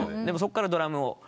でもそっからドラムを。